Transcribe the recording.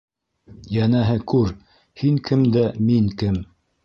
Йәнәһе, күр: һин кем дә, мин кем.